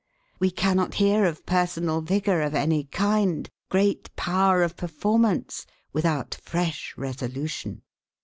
We cannot hear of personal vigor of any kind, great power of performance, without fresh resolution."